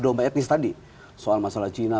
domba etnis tadi soal masalah cina